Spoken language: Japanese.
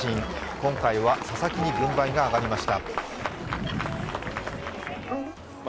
今回は佐々木に軍配が上がりました。